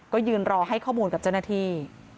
ก็ยืนรอให้ข้อมูลกับเจ้าหน้าที่